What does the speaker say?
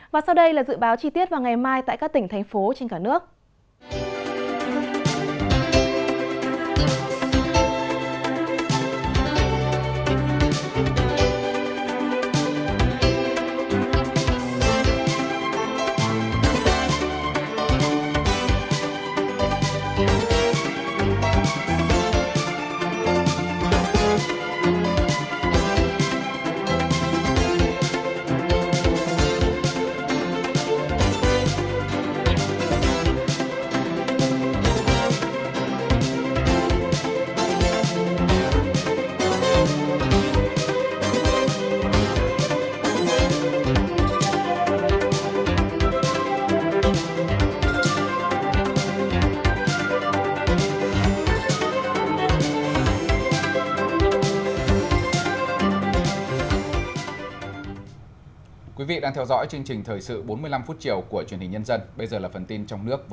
và sau đây là dự báo chi tiết vào ngày mai tại các tỉnh thành phố trên cả nước